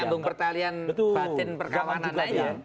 menyambung pertalian fatin perkawanan aja